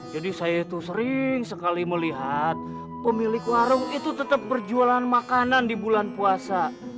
jadi saya itu sering sekali melihat pemilik warung itu tetap berjualan makanan di bulan puasa